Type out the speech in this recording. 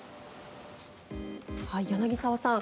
柳澤さん